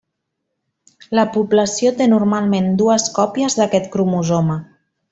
La població té normalment dues còpies d'aquest cromosoma.